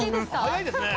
早いですね。